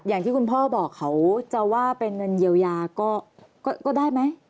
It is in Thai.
อย่างที่คุณพ่อบอกเขาจะว่าเป็นเงินเยียวยาก็ได้ไหม